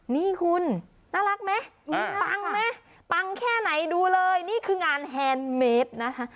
นี่คุณน่ารักไหมปังไหมปังแค่ไหนดูเลยนี่คืองานแฮนด์เมดนะคะ